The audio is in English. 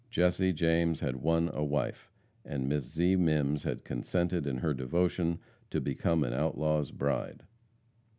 Jesse James had won a wife, and Miss Zee Mimms had consented in her devotion to become an outlaw's bride.